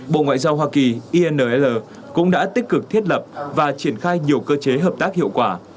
bộ ngoại giao hoa kỳ inr cũng đã tích cực thiết lập và triển khai nhiều cơ chế hợp tác hiệu quả